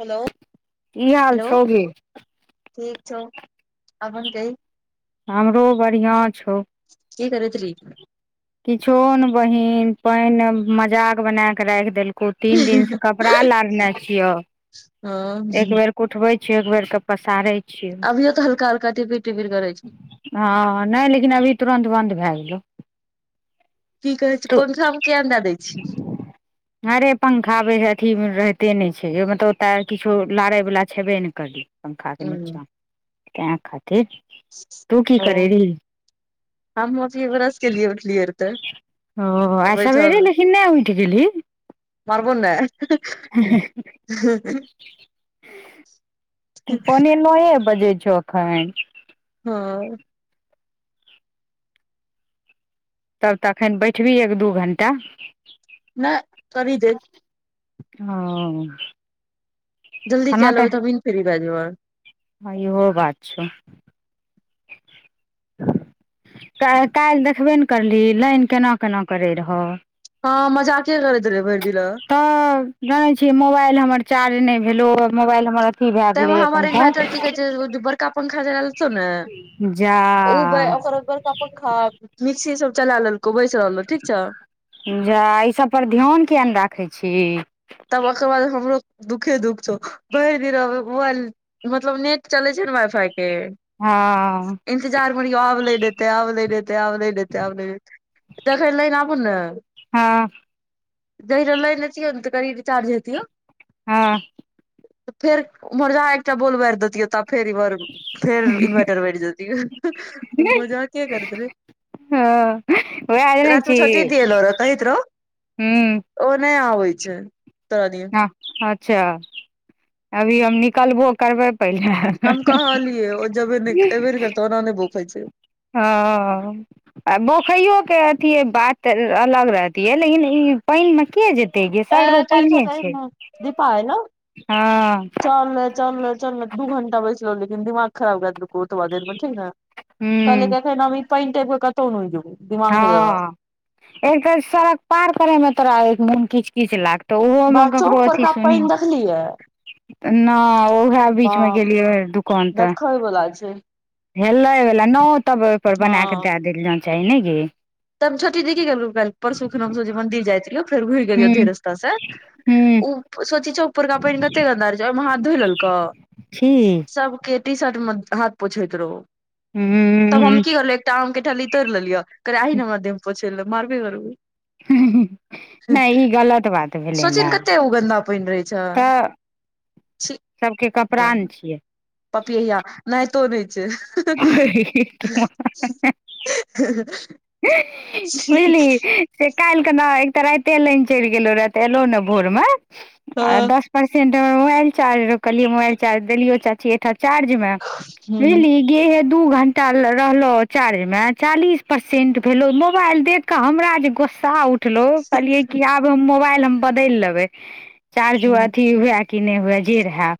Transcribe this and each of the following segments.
Hello, की हाल hello छौ गे ठीक छौ अपन कहि? हमरो बढ़ियां छौ। की करैत री? किछोन बहिन पाइन मजाक बनेए के राखि देलक कौ तीन दिन से कपड़ा लारने छियौ एक हँ बेेर क उठबै छीयौ एक बेर पसारै छियौ। अभियो तऽ हल्का हल्का टिपिर टिपिर करै छै हँ नहि लेकिन अभी तुरन्त बन्द भेए गेलै। की कहै छै पंखा मे किया ने देए दै छी। अरे पंखाबे है अथी मे रहिते नै छै ओइमे त ओ तर किछो लाड़ै बला छेबे नै करै। पंखा के निच्चां तेंए खातिर। तू की ओ करे रही हम मोची ब्रस केलियै उठलियै तऽ। ओ आइ सबेरे लेकिन नै उठि गेलही? मारबौ ने। पोने नौए बजै छौ अखैन। हँ। तब तऽ अखैन बैठबीही एक दू घण्टा? नेह करही दे। हँअ। जल्दी चल जेबै तबे ने फीरी भेए जेबै। [inaudible] हँ इहो बात छै। [inaudible] काइ - काइल्ह देखबे न करलीही लाइन केना - केना करै रहौ। हँ मजाके करैत रहै भरि दिना। तऽ जानै छीयै मोबाइल हमर चार्ज नै भेल ओ मोबाइल हमर की भेए गेलैये कनिटा [unintelligible] पखा, जा मिक्सी सब चलेए लेलकौ बैसि रहलौ ठीक छौ। जा अइ सब पर ध्यान किया ने राखै छी। तब ओकर बाद हमरो दुःखे दुःख छौ भरि दिना मोबाइल मतलब नेट चलै छै ने वाइफाई के। हँ जार मनियो आब नै देतै आब नै देतै आब नै देते आब नै दै। देखे नहिरा आबू ने हँ जहिरे मइड़ लितियो ने तऽ कनि विचार लितियो हँ तऽ फेर उमहर जहाँ एकटा बोलबारि दैतियै तब फेर ईमहर फेर इन्वर्टर बैठ जेतियो मजाके कर देबै। हँ वएह जानै रात में छी छट दल रह कहैत हूँ रहो ओ नहि अबै छै। [unintelligible] हँ अच्छा अभी हम निकलबो करबै पहिले हम कहलियै ओ जेबे नहि एबे नहि करतै ओना नहि भूफइ छै। हँ आ बोखैयो के अथिये बात अलग रहतिये लेकिन ई पइन में के जेते। ते गै ए सगरो काल्हि पइने छोटा छै दीपा हँ। चलने-चलने दू घंटा बैसलो लेकिन दिमाग खराब कै देलको ओतबा देर मे ठीक ने कहलिये हूँ देखे न पइन देखबो कतौ न जेबौ दिमाग नहि लगा हँ एक तऽ सड़क पार करैमे तोरा एक मोन किच-किच लाग तऽ ओहो मे बाहर चौक ककरो अथ परका पानि सुनी देखलियै नहि ओहे बीचमे गेलियै रहे दुकान तऽ बोला छै। हेलैवला नौ तब ओहिपर हँ बना कऽ दै देल जान चाही नैय गै। त छोटी दीदी कि गेलो कल्हि‌। परसु खुन हम सब जे मंदिर जाइत रहियो फेर घुड़ी गेल हूँ औधै रस्ता से हूँ उ सोचि छौ ऊपर का पै कते गन्दार जा हाथ धो लेलको छी सबके टी शर्ट मे हाथ पोछैत रहो। हु तब हम की करलिये एकटा आम के ठली तोड़ लेलियै करे आहि ने हमरा देहमें पोछे ले मारबे करबै। नहि ई गलत बात भेलै सोचही ने कते ओ गन्दा पानि रहै छै तऽ छी सबके कपड़ा ने छियै। पपियहिया नहायतो नहि छै। [unintelligible] बुझलहि से काल्हि के ने एक तऽ राइते लाइन चढ़ि गेलो राति एलौ ने भोर मे आ दस परसेंट मोबाइल हमर चार्ज रहो मोइल देलिय चाची अएठा चार्ज मे बुझलि गेहे दू घंटा रहलो चार्ज में चालीस परसेंट भेलो मोबाइल देख। कऽ हमरा जे गोस्सा उ उठलो कहलिये की आब हम मोबाइल हम बदल लेबे चार्ज अथी हुवे किने हुए जे रहे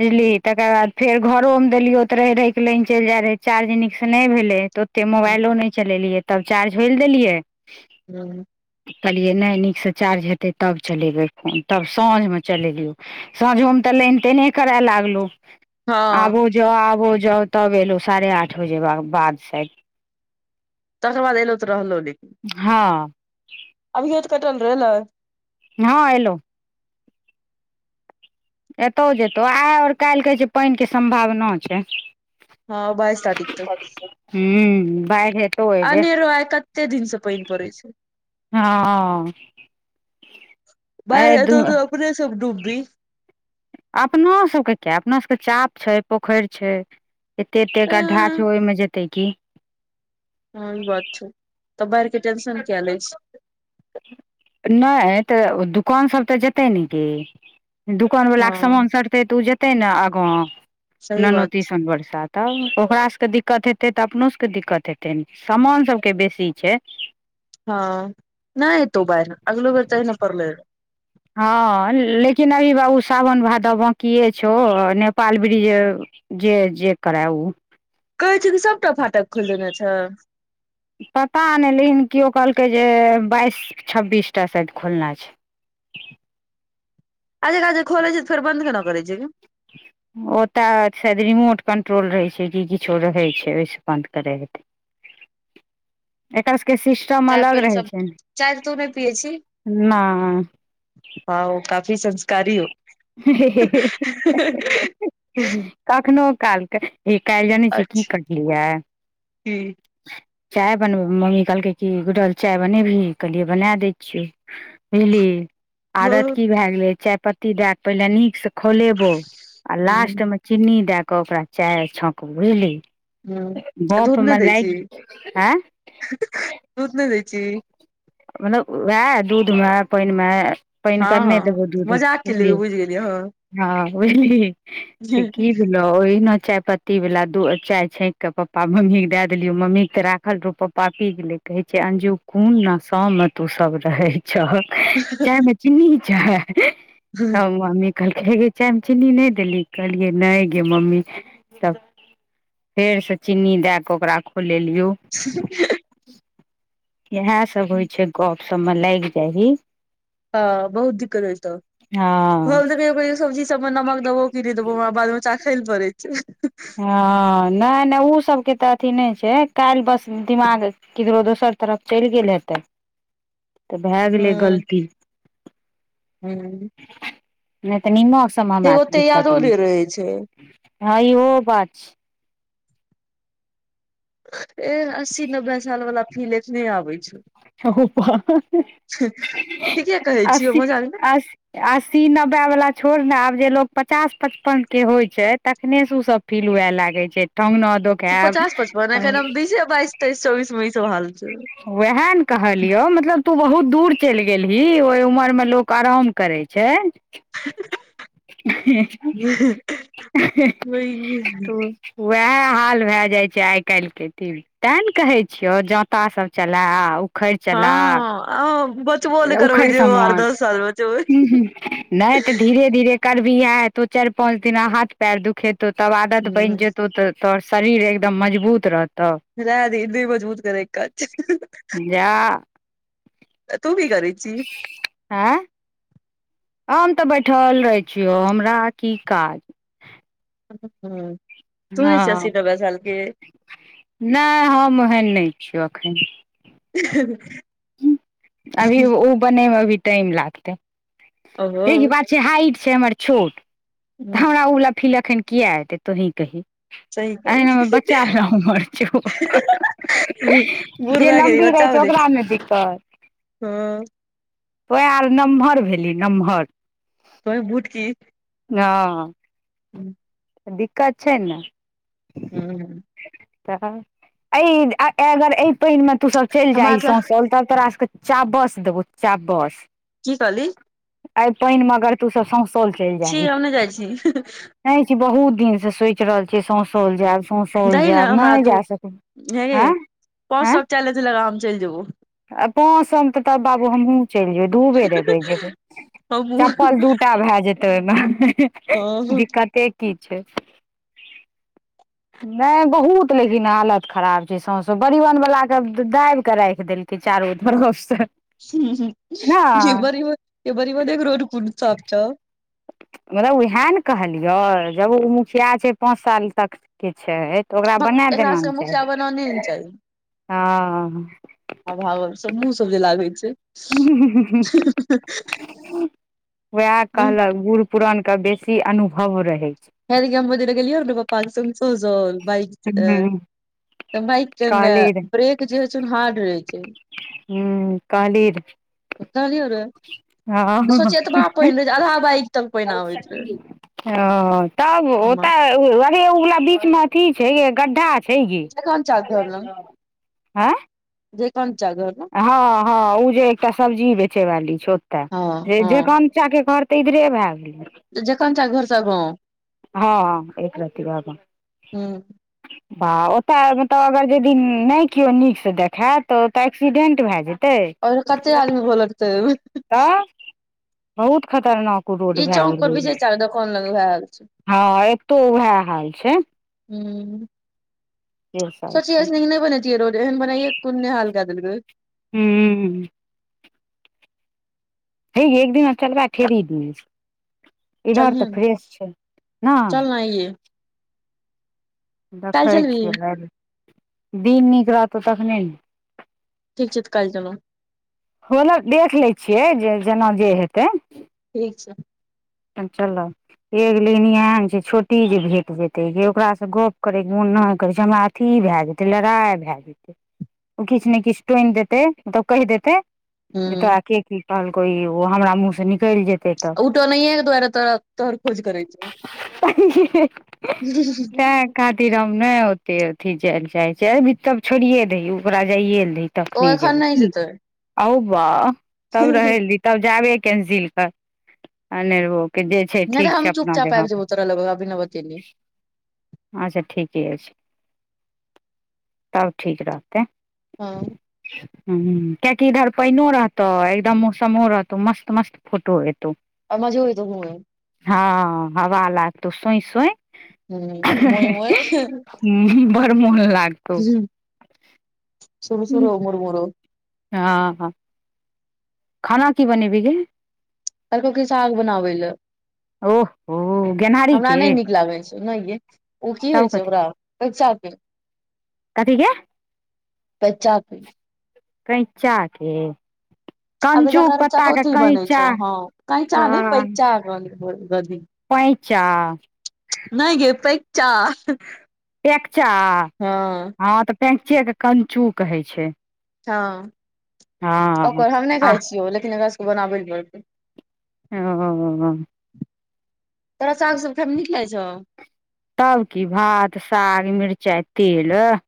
बुझलि तकर बाद फेर घरो मे देलियो तऽ रहि-रहि लाइन चलि जाइ रहै चार्ज नीकसँ नहि भेलै तऽ ओते मोबाइलो नहि चलेलियै तब चार्ज होइ लै देलियै। हू कहलियै नहि नीकसँ चार्ज हेतै तब चलेबै फोन तब साँझमे चलेलियौ। साँझो मे तऽ लैन तेनहे करय लागलो हँ आबो जाउ आबो जाउ तब एलौ साढ़े आठ बजे बाद‌ शायद तकर बाद एलौ तऽ रहलौ लेकिन हँ अभीयो त‌ कटल रहै लाइ हँ एलौ एतहु जेतहु आइ आओर काल्हि कहै छै पानिके सम्भावना छै। हँ, बाइस तारीख तक हूं बाढि अनेरो आइ कते दिन स पानि पड़ै छै। हँ एहि बाढि दू एतौ त अपने सब डूबभी। अपनासभके किया अपनासभके चाप छै पोखरि छै एते एते हँ गड्ढा छै ओहिमे जेतै की। हं ई बात छै त बाढि के टेंशन किए लै छी। नहि तऽ दुकान सब तऽ जेतै ने गे हँ दोकानवलाके समान सठतै तऽ ओ जेतै ने आगाँ सही ननो बात तीसन बरसात तब ओकरा सबके दिक्कत हेतै तऽ अपनो सबके दिक्कत हेतै ने, समान सबके बेसी छै। हँ नै एतो बाइढ अगलो बेर त ऐहिना परलैरे। हँ लेकिन अभी बाबू सावन भादव बांकिए छौ नेपाल ब्रिज जे जे करै ऊ कहै छै जे सबटा फाटक खोइल देने छै। पता नै लेकिन केओ कहलकै जे बाइस छब्बीसटा सायद खोलने छै। आ एनाजे जे खोलै छै तऽ फेर बन्द केना करै छै गै? ओतऽ छै रिमोट कन्ट्रोल रहै छै कि किछो रहै छै ओहिसँ बन्द करै हेतै। [inaudible] एकर सके सिस् टम चाय अलग पानि रहै सब छै ने, चाय तू नहि पियै नै हँ ओ काफी संस्कारी ओ हे हे हे हे हे हे हे हे कखनो कालके ए काल्हि जनै छी अच्छा की कटलैयै की? चाय बनबै में मम्मी कहलकै कि गुड़ल चाय बनेबही कहलियै बना दै छियौ बुझली हँ आदत की भए गेलै चायपत्ती दए कऽ पहिनेे निकसे खौलेबोउ आ हूँ लास्टमे चीनी दए कऽ ओकरा चाय छांकबो, बुझली हूँ गपमे लागि एं हे हे दूध नै दै छी मतलब वैह दूध मे पानि मे पाइन हँ कमे हँ देबो दूध मे मजाक केलियै बुझलि बुझि गेलियै हँ हँ बुझली से कि भेलउ ओहिना चायपत्ती बला दू चाय छैंक क पप्पा, मम्मी के दे देलियौ मम्मीेके तऽ राखल रहौ पप्पा पा पी गेलै कहै छै अंजु कोन नास् सो में तू सब रहै छह, चाय मे चीन्नी छै तब मम्मी कहलकैे हे गै चायमे चीनी नै देलही कहलियै नै गे मम्मी तब फेर से चीन्नी दैक ओकरा खौलेलियो हं हं हं हं यैह सब होइ छै गप सबमे लाइग जाही हँ, बहुत दिक्कत होइ तऽ हँ हम तऽ कहियो-कहियो सब्जी। ओ मे नमक देबो की नै देबै ओ बाद मे चाखै ले पड़ै छै हँ नै नै ओ सबके तऽ अथी नै छै काल्हि बस दिमाग ककरो दोसर तरफ चलि गेल हेतै तऽ भऽ गेलै गलती। हू [unintelligible] नै तऽ निमाक सब मे हमरा आरके ओते दिक्कत यादो नै नहि रहै छै ह इहो बात छै ए अस्सी नब्बे साल वाला फील आँखने आबै छै छहोप ठीके कहै छियै असी मजाक अस्सी अस्सी नब्बे बला छोड़ न आब जे लोक पचास पचपनके होइत छै तखनेसँ ओसब फील हेबा लागे छै ठहुन्न ओर द तू पचास पचपान एखन हम बीसे बाइस तइस चौबिसमे इसब हाल छै वेहने कहलियौ मतलब तू बहुत दूर चैल गेलहि ओहि उमरमे लोक आराम करै छै त [unintelligible] वैह हाल भ जाइ छै आइ काल्हिके तै ने कहैत छियौ जाँतासब चला उखड़ चला आ ब [unintelligible] उखड़ि समाठ हू हू नै तऽ धीरे धीरे कर भी एह हेतौ चारि पाँच दिना हाथ पयर दुखेतौ तब आदत बनि ह जेतौ तऽ तोहर शरीर एकदम मजबूत रहतौ। रहे दी नाय मजबूत करै का काज छै जा तू भी करै छी। ह आँ हम तऽ बैठल रहै छियौ हमरा की काज। ह हू हँ नहि हम ओहन नहि छियौ एखन। ह अभी ओ बनेय मे अभी टाइम लागतै ओहो ठीक हूं बात जे हाइट छै हमर छोट त हमरा ओ वाला फील अखन किया एते तोही कही। सही कहै अहिना छी हमर बच्चा लम्हार छो बूढ़ जे भए गेली लम्बी बच्चा रहै छै बनै छी ओकराने दिक्कत हँ ओ आल नमहर भेली नमहर तोर बुच्ची हँ हूँ तऽ दिक्कत छै ने हू तऽ एहि अगर एहि पानि मे तू सब चलि हमरा जाइी तऽ सौसल तब तोरा सभके चाबस देबौ चाबस की कहली एहि पानिमे अगर तूसभ सौसल चलि जाइ ही। कातह जाइ छी। बहुत दिन से सोचि रहल छी सौसल जायब [unintelligible] सौल दही ने जायब हमरा नहि जा सकै एं पाॅंच सौ के चैलेंज लगा हम चलि जेबौ। आ पाँच सौमें तऽ तब बाबू हमहूँ चलि जेबै, दू बेर अयबै जेयबै। हमहूँ चप्पल दूटा भए जेतै ओहिमे, हे हे हँ दिक्कते की छै। [inaudible] नहि बहुत लेकिन हालत खराब छै सौंस परिवहन वला के दाबि कऽ राखि देल। ई चारु तरफ से हूं हूं नहि [unintelligible] रोड कुन साफ छौ मतलब उएह ने कहलियौ जब ओ मुखिया छै पाँच साल तक के छै तब ओकरा भक बनै एकरा देना ने सबके मुखिया बनाने ने चाही चाही ओ [unintelligible] मुंह सब जे लागै छै। हूं हूं हूं हूं वएह कहलक बुढ़ पुरानके बेसी अनुभव रहै छै। हे देखी हम ओइ दके गेलियौ रहै ने ह [unintelligible] तऽ बाइक के ने कहली र ब्रेक जे होइ छै ने हार्ड रहै छै। हूं कहली रहै। कहलियौ रहै, सोचही एतबा पानि रहे जे आधा बाइक तक पानि आबैत रहय। ह तब ओतय अरे ओ वला बीच मे अथी छै यै गड्ढा छै कि जखन चा आँय जयकान्त चा घर लग हँ हँ ऊ जे एकटा सब्जी बेचे वाली छै ओते हँ हे जय हँ कान्त चाके घर तऽ इधरे भए गेलै। त जयकान्त चा के घर से आगां? हँ एकरती आगा हूं। बा ओतय मतलब अगर यदि नहि केओ नीकसँ देखए तऽ ओत एक्सीडेंट भए जेतै आओर कते आदमी घोलटतै ओइमे, ह। तऽ बहुत खतरनाक ओ रोड ई भए चौक पर विजय गेलै। चा के दोकान लगे वैहै हाल छै‌। हँ एतो उहै हाल छै। हूं। से सब सोचही छै अइसे नीक नहि बनैतै रोड एहन बनाईये क कोन नेहाल कए देलकै। हूँ हे गै एक दिना चलबै खेरी दिस इधर तऽ फ्रेश छै, न आंय यै? देखै चलबही छियै काइल दिन नीक रहतौ तखने ने ठीक छै तऽ काल चलब। हं मतलब देख लै छियै जे जेना जे हेतै। ठीक छै। तहन चलब। एक लेकिन इहै ने छै छोटी जे भेट जेतै गे ओकरा से गप करै के मोन नै करे छै हमरा अथी भए जेतै लड़ाइ भए जेतै ओ किछु ने किछु टोनि देतै मतलब कहि देतै हूँ जे तोरा के की कहलको इ- ओ हमरा मुँह से निकलि जेतै तऽ उ तऽ ओनैहियै के दुआारे तो- तोहर खोज करे छो। [inaudible] खातिर हम ओते अथी जाय ले चाहे छै बब छोड़िये दह ओकरा जाइे दही ओ तखनी एखन नहि जेबै जेतै ओउ बाउ तब रहै नहि दही तब जाबे कैन्सिल कर अन्हरहो के जे छै नहि त ठीक छै हम चुप- अपना चापा जगह आबि जेबो पर तोरा लग बिना बतोने। अच्छा ठीके अछि, तब ठीक रहतै। हँऽ। हू कियकि इधर पाइनो रहतौ, एकदम मौसमो रहतौ मस्त- मस्त फोटो एतौ आ मजो एतो घुमयऽ में। हँ हवा लागतौ सोइ -सोइ मे हूँ मोए मोए बड़ मोन लाग ह सुर- सुरो मुर- मुरो। हँ ऽ। खाना की बनेबिही गै? कहलको कि सााग बनाबै ल ओह हो गेनहारी हमरा के नहि नीक लागै छै, नै गै ओ की तब होइ छै कथी ओकरा [inaudible] कथी के पैंचा के कैंचा के अभ कंचू जकर पत्ता के चकौथी बनेै कैंचा छौ, हँ कैंचा ने पैंकचा गधी। पैंचा। नै गे पैंचा। पैँकचा हँ हँ तऽ पैंकचेके कंचू कहै छै। हँ हँ ओकर हम नै आ खाइ छियौ, लेकिन एकरा सभकेँ बनाबै पड़तै। ओ। तोरा साग सब खाइमे निक लागै छौ। तब की भात, साग, मिर्चाई, तेल अह।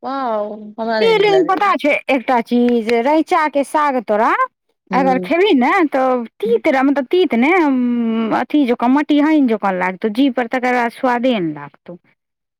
ह [unintelligible] हे लेकिन पता छै एकटा चीज, रैंचा के साग तोरा अगर खेबही ने तऽ हूँ तीत मतलब तीत ने अथी जका मटी हाइन जका लाग तऽ जीह पर तकर बाद स्वादे ने लागतौ।